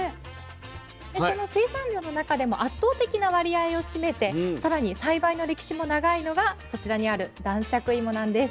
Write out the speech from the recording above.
その生産量の中でも圧倒的な割合を占めて更に栽培の歴史も長いのがそちらにある男爵いもなんです。